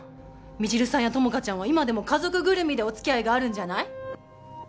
未知留さんや友果ちゃんは今でも家族ぐるみでお付き合いがあるんじゃない？